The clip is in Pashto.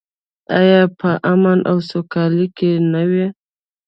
آیا په امن او سوکالۍ کې نه وي؟